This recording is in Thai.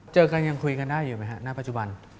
เจอกันยังคุยกันได้อยู่ไหมฮะณปัจจุบัน